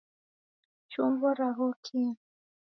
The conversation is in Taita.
Chumbo raghokie.